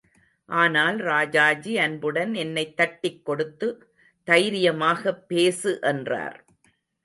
ஆனால் ராஜாஜி அன்புடன் என்னைத் தட்டிக் கொடுத்து தைரியமாகப் பேசு என்றார்.